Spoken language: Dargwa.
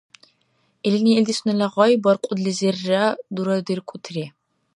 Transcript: Илини илди сунела гъай баркьудилизирра дурадуркӀутири.